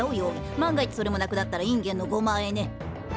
万が一それもなくなったらインゲンのごまあえね。